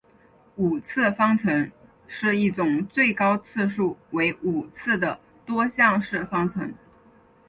五次方程是一种最高次数为五次的多项式方程。